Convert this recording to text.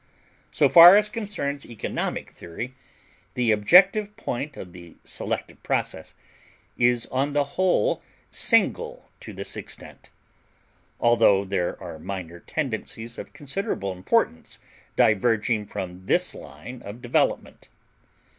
So far as concerns economic theory, the objective point of the selective process is on the whole single to this extent; although there are minor tendencies of considerable importance diverging from this line of development.